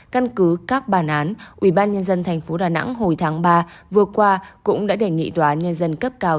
căn cứ các bàn án ủy ban dân tp đà nẵng hồi tháng ba vừa qua cũng đã đề nghị tòa nhân dân cấp cao